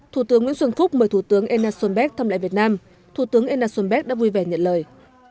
thủ tướng nguyễn xuân phúc mời thủ tướng enna sonbeck thăm lại việt nam thủ tướng enna sonbeck đã vui vẻ nhận lời